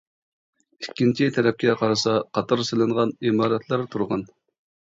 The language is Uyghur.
ئىككىنچى تەرەپكە قارىسا، قاتار سېلىنغان ئىمارەتلەر تۇرغان.